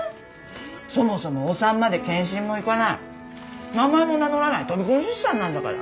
そもそもお産まで健診も行かない名前も名乗らない飛び込み出産なんだから。